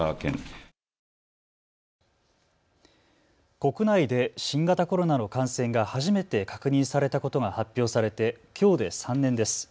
国内で新型コロナの感染が初めて確認されたことが発表されて、きょうで３年です。